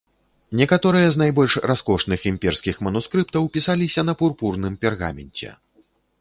Некаторыя з найбольш раскошных імперскіх манускрыптаў пісаліся на пурпурным пергаменце.